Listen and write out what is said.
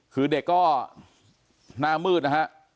คือเด็กก็หน้ามืดนะฮะ